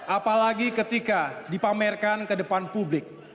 apalagi ketika dipamerkan ke depan publik